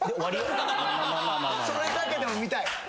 それだけでも見たい。